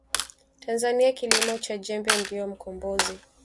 Tanzania kilimo cha Jembe ndio mkombozi